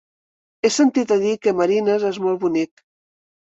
He sentit a dir que Marines és molt bonic.